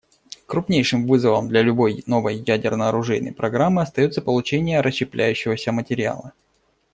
Крупнейшим вызовом для любой новой ядерно-оружейной программы остается получение расщепляющегося материала.